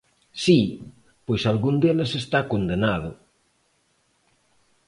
Si, pois algún deles está condenado.